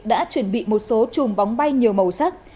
đã chuẩn bị một số chùm bóng bay nhiều màu sắc